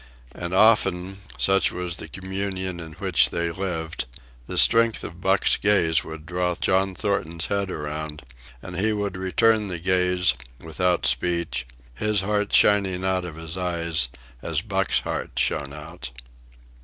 And often, such was the communion in which they lived, the strength of Buck's gaze would draw John Thornton's head around, and he would return the gaze, without speech, his heart shining out of his eyes as Buck's heart shone out.